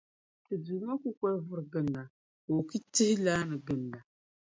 Ti Duuma kukoli vuri chɛri ka oki tihi laani ginda.